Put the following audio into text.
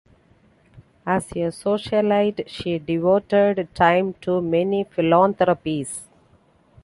As a socialite she devoted time to many philanthropies.